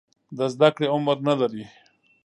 د زده کړې عمر نه لري.